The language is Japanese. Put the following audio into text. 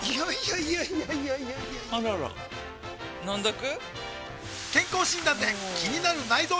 いやいやいやいやあらら飲んどく？